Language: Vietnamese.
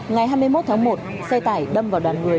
ngày hai mươi một tháng một xe tải đâm vào đoàn người